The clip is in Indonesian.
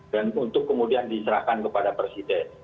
untuk kemudian diserahkan kepada presiden